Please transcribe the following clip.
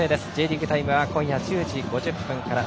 「Ｊリーグタイム」は今夜１０時５０分から。